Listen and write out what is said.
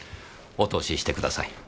お通ししてください。